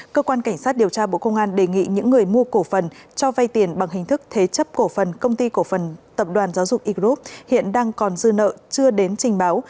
cơ quan cảnh sát điều tra bộ công an đề nghị những người mua cổ phần cho vay tiền bằng hình thức thế chấp cổ phần công ty cổ phần tập đoàn giáo dục e group hiện đang còn dư nợ chưa đến trình báo